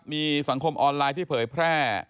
มีสังคมออนไลน์ที่เผยแพร่